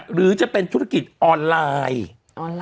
หรือจะเป็นธุรกิจออนไลน์